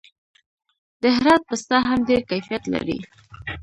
د هرات پسته هم ډیر کیفیت لري.